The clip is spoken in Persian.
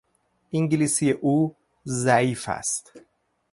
انگلیسی او ضعیف است.